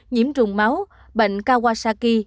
nhiễm trùng máu bệnh kawasaki